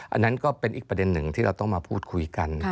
อันนั้นก็เป็นอีกประเด็นหนึ่งที่เราต้องมาพูดคุยกัน